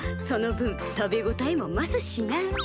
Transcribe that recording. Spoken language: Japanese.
その分食べ応えも増すしな。